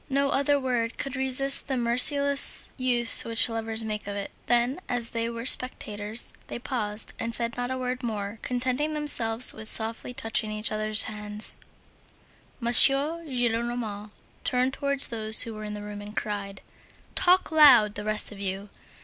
No other word could resist the merciless use which lovers make of it. Then as there were spectators, they paused and said not a word more, contenting themselves with softly touching each other's hands. M. Gillenormand turned towards those who were in the room and cried: "Talk loud, the rest of you.